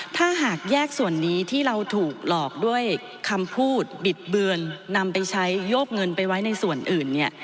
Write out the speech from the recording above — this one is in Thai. ถ้าหากแยกส่วนนี้ที่เราถูกหลอกด้วยคำพูดบิดเบือนนำไปใช้โยกเงินไปไว้ในส่วนอื่นเนี่ย